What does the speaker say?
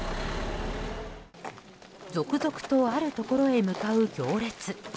続々とあるところへ向かう行列。